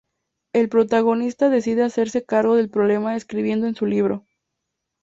El protagonista decide hacerse cargo del problema escribiendo en su Libro.